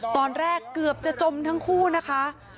ตอนแรกเกือบจะจมทั้งคู่นะคะ